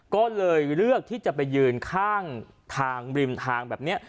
ก็เลยเลือกที่จะไปยืนข้างทางริมทางแบบนี้